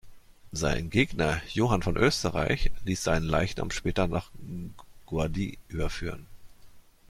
Sein Gegner Johann von Österreich ließ seinen Leichnam später nach Guadix überführen.